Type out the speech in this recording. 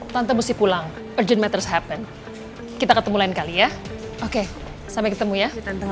tante mesti pulang urgent matters happen kita ketemu lain kali ya oke sampai ketemu ya tante